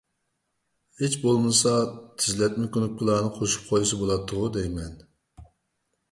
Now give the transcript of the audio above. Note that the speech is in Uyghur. ھېچ بولمىسا، تېزلەتمە كۇنۇپكىلارنى قوشۇپ قويسا بولاتتىغۇ دەيمەن.